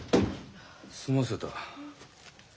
済ませた。